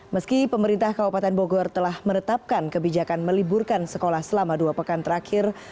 meski pemerintah kabupaten bogor telah menetapkan kebijakan meliburkan sekolah selama dua pekan terakhir